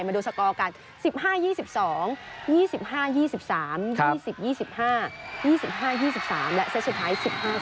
มาดูสกอร์กัน๑๕๒๒๒๕๒๓๒๐๒๕๒๕๒๓และเซตสุดท้าย๑๕